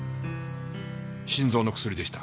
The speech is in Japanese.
心臓の薬でした。